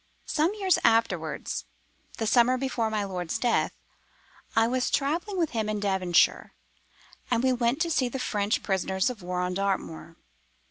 Some years afterwards—the summer before my lord's death—I was travelling with him in Devonshire, and we went to see the French prisoners of war on Dartmoor.